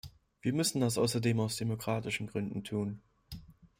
Wir müssen das außerdem aus demokratischen Gründen tun.